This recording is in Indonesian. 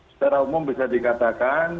secara umum bisa dikatakan